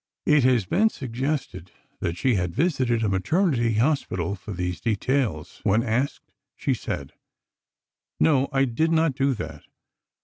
It has been suggested that she had visited a maternity hospital for these details. When asked, she said: "No, I did not do that.